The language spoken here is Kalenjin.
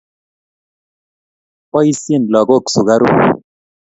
Poisyen lagok sugaruk.